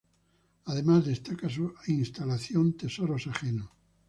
Además destaca su instalación "Tesoros Ajenos".